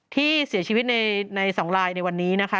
ที่เสียชีวิตใน๒ลายในวันนี้นะคะ